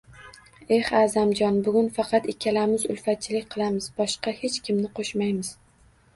– Eh A’zamjon, bugun faqat ikkalamiz ulfatchilik qilamiz, boshqa hech kimni qo’shmaymiz.